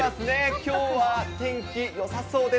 きょうは天気よさそうです。